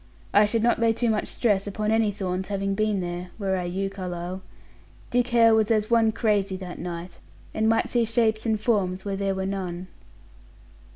"I should not lay too much stress upon any Thorns having been there, were I you, Carlyle. Dick Hare was as one crazy that night, and might see shapes and forms where there were none."